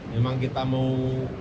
memang kita mau